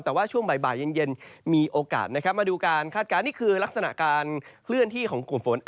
แต่ว่าช่วงบ่ายเย็นมีโอกาสนะครับมาดูการคาดการณ์นี่คือลักษณะการเคลื่อนที่ของกลุ่มฝน